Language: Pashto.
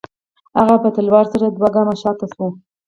هغه په تلوار سره دوه گامه شاته سوه.